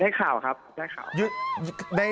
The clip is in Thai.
ได้ข่าวครับได้ข่าว